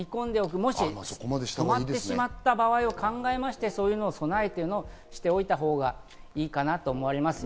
もし止まってしまった場合を考えて備えをしておいたほうがいいかなと思います。